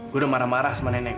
gue udah marah marah sama nenek